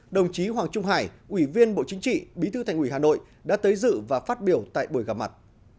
đồng chí hoàng trung hải ủy viên bộ chính trị bí thư thành ủy hà nội đã tới dự và phát biểu tại buổi gặp mặt